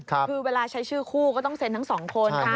คือเวลาใช้ชื่อคู่ก็ต้องเซ็นทั้งสองคน